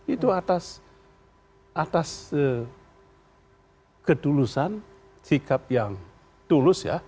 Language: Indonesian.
itu atas ketulusan sikap yang tulus ya